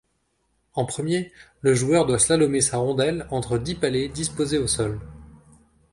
En premier, le joueur doit slalomer sa rondelle entre dix palets disposés au sol.